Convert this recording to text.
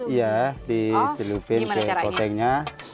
iya dicelupin ke potengnya